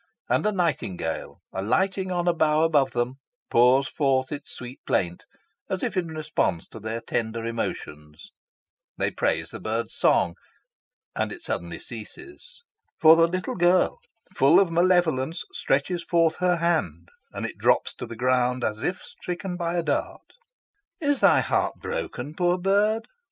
And a nightingale, alighting on a bough above them, pours forth its sweet plaint, as if in response to their tender emotions. They praise the bird's song, and it suddenly ceases. For the little girl, full of malevolence, stretches forth her hand, and it drops to the ground, as if stricken by a dart. "Is thy heart broken, poor bird?"